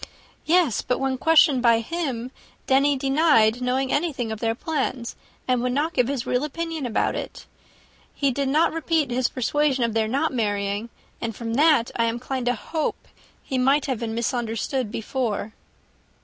"Yes; but when questioned by him, Denny denied knowing anything of their plan, and would not give his real opinion about it. He did not repeat his persuasion of their not marrying, and from that I am inclined to hope he might have been misunderstood before."